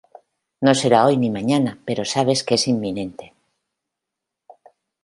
no será hoy ni mañana pero sabes que es inminente